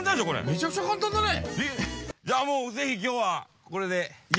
めちゃくちゃ簡単だね。